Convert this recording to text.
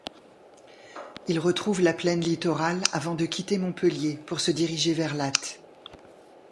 Il retrouve la plaine littorale avant de quitter Montpellier pour se diriger vers Lattes.